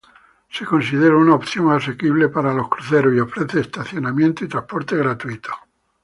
Se considera una opción asequible para los cruceros, y ofrece estacionamiento y transporte gratuitos.